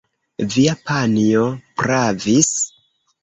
Via panjo pravis.